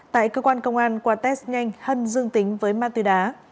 tại cơ quan công an qua test nhanh hân dương tính với ma túy đá